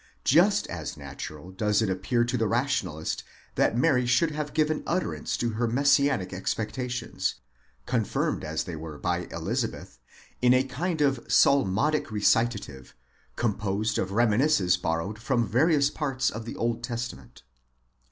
Just as natural does it appear to the Rationalist that Mary should have given utterance to her Messianic expectations, confirmed as they were by Elizabeth, in a kind of psalmodic recitative, composed of reminiscences borrowed from various parts of the Old Testament.